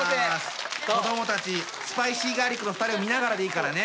子どもたちスパイシーガーリックの２人を見ながらでいいからね。